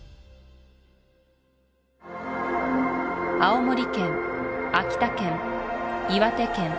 青森県秋田県岩手県